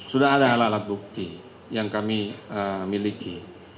sudah ada alat alat bukti yang kami miliki